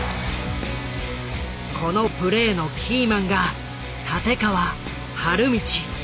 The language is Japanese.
このプレーのキーマンが立川理道。